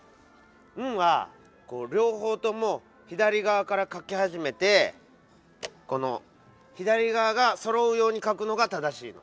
「ン」はりょうほうとも左がわから書きはじめてこの左がわがそろうように書くのが正しいの。